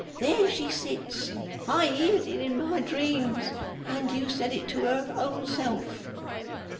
There she sits! I heerd it in my dreams, and you said it to her own self.